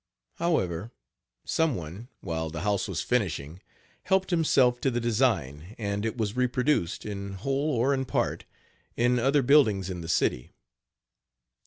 However, Page 61 some one, while the house was finishing, helped himself to the design, and it was reproduced, in whole or in part, in other buildings in the city.